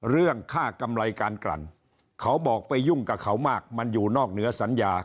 เรื่องค่ากำไรการกลั่นเขาบอกไปยุ่งกับเขามากมันอยู่นอกเหนือสัญญา